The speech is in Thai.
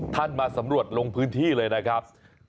มาสำรวจลงพื้นที่เลยนะครับ